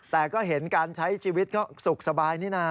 แต่ก็เห็นการใช้ชีวิตก็สุขสบายนี่นะ